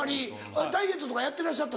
ダイエットとかやってらっしゃった？